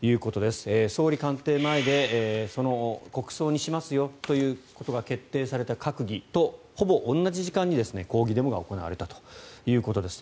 総理官邸前で国葬にしますよということが決定された閣議とほぼ同じ時間に抗議デモが行われたということです。